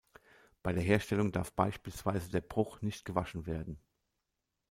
Bei der Herstellung darf beispielsweise der Bruch nicht gewaschen werden.